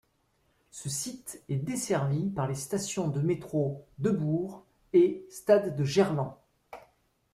Ce site est desservi par les stations de métro Debourg et Stade de Gerland.